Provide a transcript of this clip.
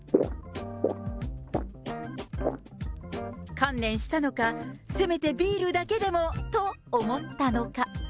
観念したのか、せめてビールだけでもと思ったのか。